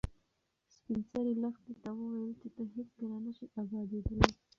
سپین سرې لښتې ته وویل چې ته هیڅکله نه شې ابادېدلی.